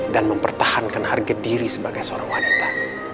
dan mempertahankan harga diri sebagai seorang wanita